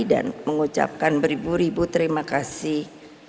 dan mengucapkan beribu ribu terima kasih